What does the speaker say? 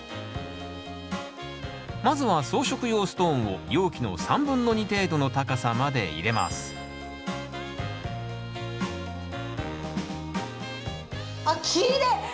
まずは装飾用ストーンを容器の３分の２程度の高さまで入れますあっきれい！